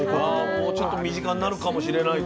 もうちょっと身近になるかもしれないと。